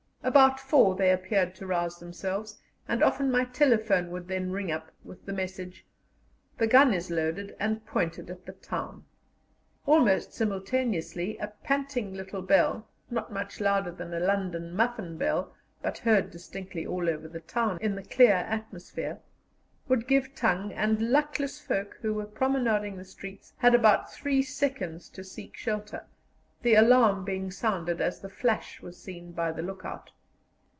About four they appeared to rouse themselves, and often my telephone would then ring up with the message: "The gun is loaded, and pointed at the town." Almost simultaneously a panting little bell, not much louder than a London muffin bell, but heard distinctly all over the town in the clear atmosphere, would give tongue, and luckless folk who were promenading the streets had about three seconds to seek shelter, the alarm being sounded as the flash was seen by the look out.